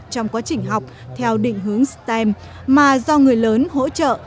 trong quá trình học theo định hướng stem mà do người lớn hỗ trợ